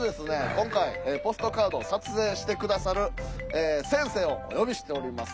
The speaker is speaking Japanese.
今回ポストカードを撮影してくださる先生をお呼びしております。